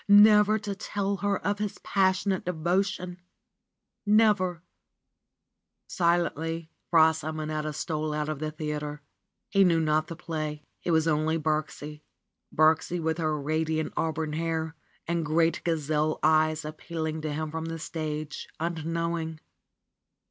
Never to tell her of his passionate devotion ! Never Silently Fra Simonetta stole out of the theater. He knew not the play. It was only Birksie, Birksie with her radiant auburn hair and great gazelle eyes appeal ing to him from the stage, unknowing.